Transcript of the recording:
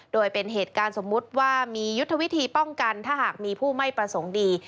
โดยเป็นเหตุการณ์สมมุติว่ามียุทธวิธีป้องกันถ้าหากมีผู้ไม่ประสงค์ดี